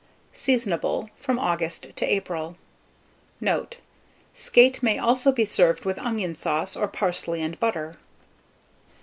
Seasonable from August to April. Note. Skate may also be served with onion sauce, or parsley and butter.